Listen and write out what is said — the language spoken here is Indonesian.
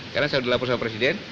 karena saya sudah lapor sama presiden